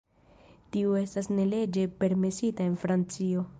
Tiu estas ne leĝe permesita en Francio.